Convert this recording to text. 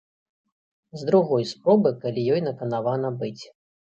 З другой спробы, калі ёй наканавана быць.